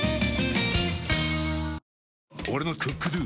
俺の「ＣｏｏｋＤｏ」！